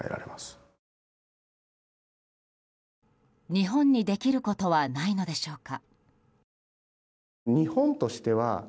日本にできることはないのでしょうか。